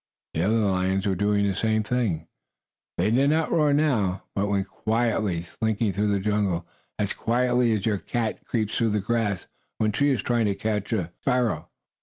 The other lions were doing the same thing. They did not roar now, but went quietly, slinking through the jungle as quietly as your cat creeps through the grass when she is trying to catch a sparrow.